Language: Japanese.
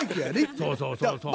そうそうそうそう。